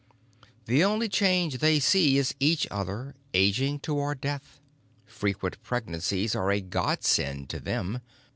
The only change they see is each other, aging toward death. Frequent pregnancies are a Godsend to them.